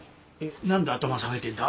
何で頭下げてんだ？